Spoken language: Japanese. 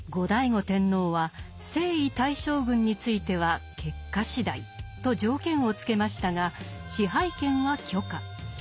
後醍醐天皇は征夷大将軍については結果次第と条件をつけましたが支配権は許可。